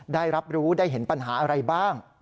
ได้รับรู้ได้เห็นปัญหาอะไรบ้าง